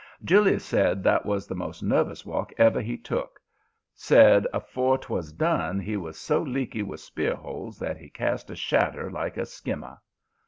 "Julius said that was the most nervous walk ever he took. Said afore 'twas done he was so leaky with spear holes that he cast a shadder like a skimmer.